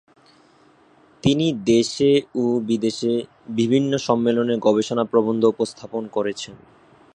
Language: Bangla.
তিনি দেশে ও বিদেশে বিভিন্ন সম্মেলনে গবেষণা প্রবন্ধ উপস্থাপন করেছেন।